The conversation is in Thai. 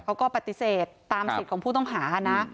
เขาก็ปฏิเสธตามสิทธิ์ของผู้ต้องหานะ